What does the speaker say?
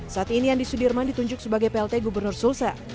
saat ini andi sudirman ditunjuk sebagai plt gubernur sulsel